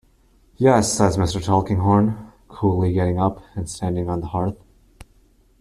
"Yes," says Mr. Tulkinghorn, coolly getting up and standing on the hearth.